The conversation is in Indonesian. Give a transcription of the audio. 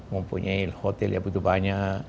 mempunyai hotel yang butuh banyak